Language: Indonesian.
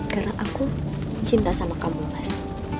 karena aku mencinta sama kamu mas